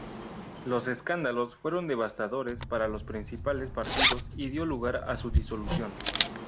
Los escándalos fueron devastadores para los principales partidos y dio lugar a su disolución.